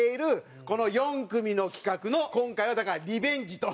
この４組の企画の今回はだからリベンジと。